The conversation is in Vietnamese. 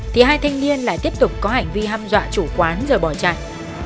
thì hai thanh niên lại tiếp tục có hành vi hăm dọa chủ quán